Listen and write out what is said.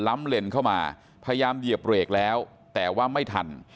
เลนเข้ามาพยายามเหยียบเบรกแล้วแต่ว่าไม่ทัน